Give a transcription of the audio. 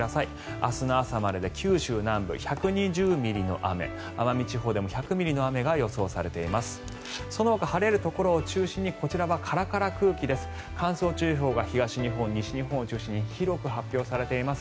明日の朝までで九州南部、１２０ミリの雨奄美地方でも１００ミリの雨が予想されています。